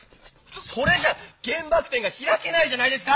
それじゃ原爆展が開けないじゃないですか！